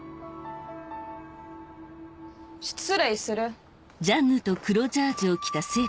失礼する。